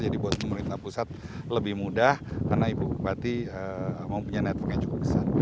jadi buat pemerintah pusat lebih mudah karena ibu bupati mempunyai networknya cukup besar